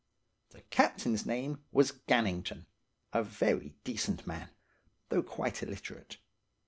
"The captain's name was Gannington, a very decent man, though quite illiterate.